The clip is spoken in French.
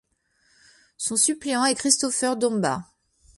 Son suppléant est Christopher Domba.